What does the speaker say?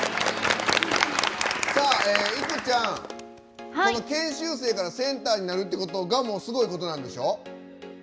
いくちゃん、研修生からセンターになるっていうことがもうすごいことなんでしょ。